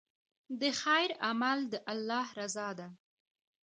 د خیر عمل د الله رضا ده.